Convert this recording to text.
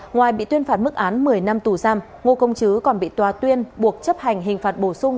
ngoài bị tuyên phạt mức án một mươi năm tù giam ngô công chứ còn bị tòa tuyên buộc chấp hành hình phạt bổ sung